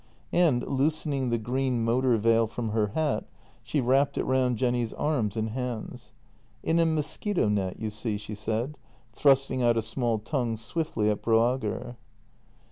" and, loosening the green motor veil from her hat, she wrapped it round Jenny's arms and hands. " In a mosquito net, you see," she said, thrusting out a small tongue swiftly at Broager.